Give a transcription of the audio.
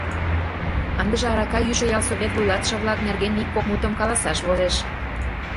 Ындыже арака йӱшӧ ялсовет вуйлатыше-влак нерген ик-кок мутым каласаш возеш.